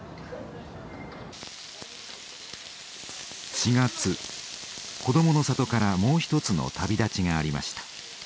４月「こどもの里」からもう一つの旅立ちがありました。